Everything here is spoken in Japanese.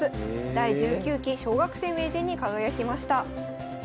第１９期小学生名人に輝きました。